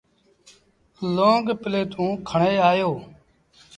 لونگ پليٽون کڻي آيو۔